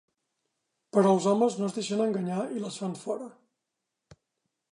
Però els homes no es deixen enganyar i les fan fora.